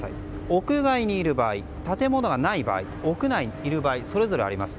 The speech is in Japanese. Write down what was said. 屋外にいる場合建物がない場合屋内にいる場合それぞれあります。